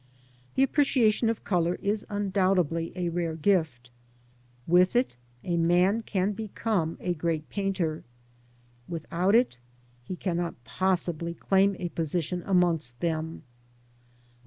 The appreciation of colour is undoubtedly a rare gift. With it a man can become a sfreat painter; without it, he cannot ' x possibly claim a position amongst them.